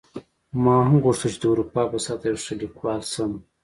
ما هم غوښتل چې د اروپا په سطحه یو ښه لیکوال شم